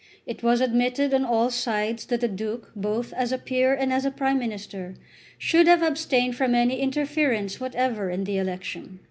It was admitted on all sides that the Duke, both as a peer and as a Prime Minister, should have abstained from any interference whatever in the election.